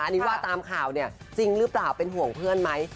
อันนี้ว่าตามข่าวเนี่ยจริงหรือเปล่าเป็นห่วงเพื่อนไหม